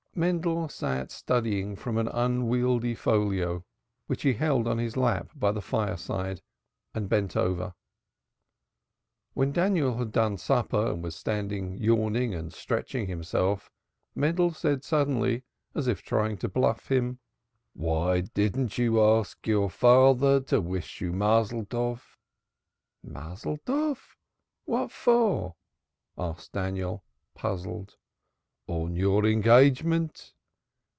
Mendel sat studying from an unwieldy folio which he held on his lap by the fireside and bent over. When Daniel had done supper and was standing yawning and stretching himself, Mendel said suddenly as if trying to bluff him: "Why don't you ask your father to wish you Mazzoltov?" "Mazzoltov? What for?" asked Daniel puzzled. "On your engagement."